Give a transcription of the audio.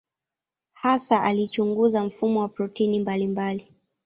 Hasa alichunguza mfumo wa protini mbalimbali.